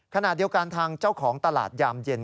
ขณะเดียวกันทางเจ้าของตลาดยามเย็น